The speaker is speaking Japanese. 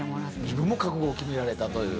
自分も覚悟を決められたという。